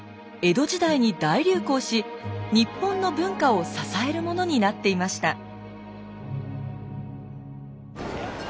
江戸時代に大流行し日本の文化を支えるものになっていました。